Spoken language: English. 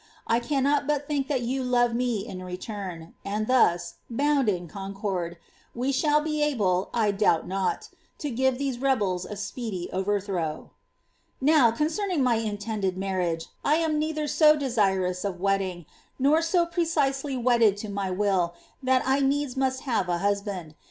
1 cannot but think tiiat you lore nte in return ; and thus, bound in concord, we shall be able, I doubt not, to give these rebels a speedy overthrow. ^ Now, concerning my intended marriage, I am neither so desirous of wedding, nor so precisely wedded to mj will, that I needs must have a husband.